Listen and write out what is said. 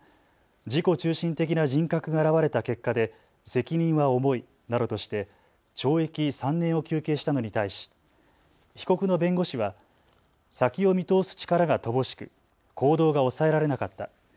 自己中心的な人格が現れた結果で責任は重いなどとして懲役３年を求刑したのに対し被告の弁護士は先を見通す力が乏しく行動がおさえられなかった。